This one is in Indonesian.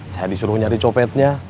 saya disuruh nyari copetnya